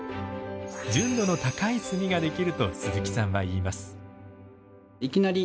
純度の高い炭が出来ると鈴木さんは言います。